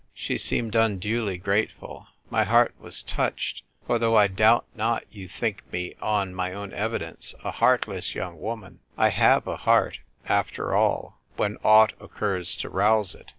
She seemed unduly grateful. My heart was touched, for though I doubt not you think me, on my own evidence, a heartless young woman, I have a heart, after all, when aught occurs to rouse it.